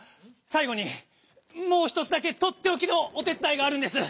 さいごにもう一つだけとっておきのおてつだいがあるんです。